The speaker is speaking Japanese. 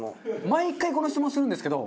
毎回この質問するんですけど。